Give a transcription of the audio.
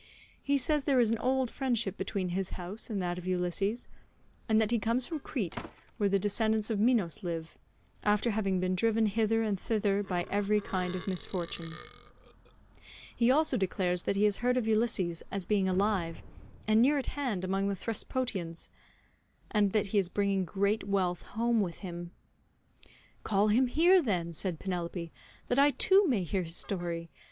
He says there is an old friendship between his house and that of Ulysses, and that he comes from Crete where the descendants of Minos live, after having been driven hither and thither by every kind of misfortune; he also declares that he has heard of Ulysses as being alive and near at hand among the Thesprotians, and that he is bringing great wealth home with him." "Call him here, then," said Penelope, "that I too may hear his story.